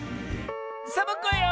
サボ子よ！